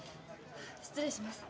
失礼します。